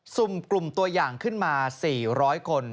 สุ่มกลุ่มตัวอย่างขึ้นมา๔๐๐คน